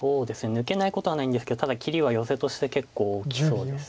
抜けないことはないんですけどただ切りはヨセとして結構大きそうです。